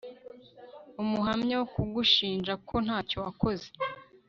umuhamya wo kugushinja ko ntacyo wakoze